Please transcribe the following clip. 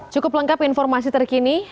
cukup lengkap informasi terkini